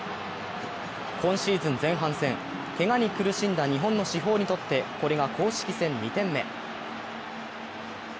今シーズン前半戦、けがに苦しんだ日本の至宝にとって、これが公式戦２点目。